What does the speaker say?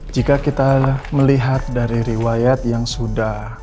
jika kita melihat dari riwayat yang sudah